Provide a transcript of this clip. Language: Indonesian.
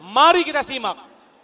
mari kita simak